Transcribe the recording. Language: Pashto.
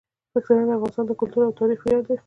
پښتانه د افغانستان د کلتور او تاریخ ویاړ دي.